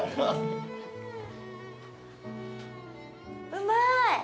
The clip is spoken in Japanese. うまい！